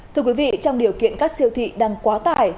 thưa quý vị trong điều kiện các siêu thị đang quá tải